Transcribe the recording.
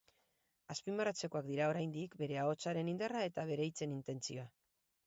Azpimarratzekoak dira oraindik bere ahotsaren indarra eta bere hitzen intentzioa.